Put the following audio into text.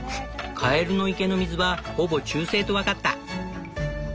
カエルの池の水はほぼ中性と分かった。